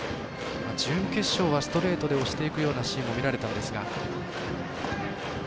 準決勝はストレートで押していくようなシーンも見られたんですが。